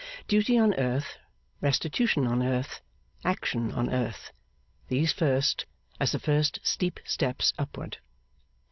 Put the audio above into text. Duty on earth, restitution on earth, action on earth; these first, as the first steep steps upward.